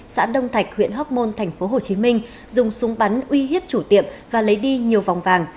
xã đông thạch huyện hóc môn tp hcm dùng súng bắn uy hiếp chủ tiệm và lấy đi nhiều vòng vàng